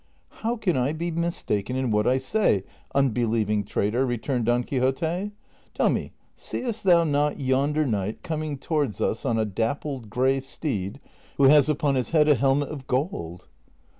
" How can I be mistaken in what I say, unbelieving traitor ?" returned Don Quixote ;" tell me, seest thou not yonder knight coming towards us on a dappled gray steed, who has upon his head a helmet of gold